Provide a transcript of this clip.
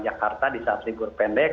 jakarta di saat libur pendek